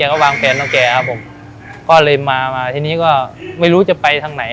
ก็วางแผนของแกครับผมก็เลยมามาทีนี้ก็ไม่รู้จะไปทางไหน